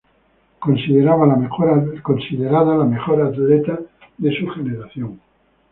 Considerada la mejor atleta de su generación.